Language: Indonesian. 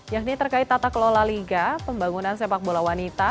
yakni terkait tata kelola liga pembangunan sepak bola wanita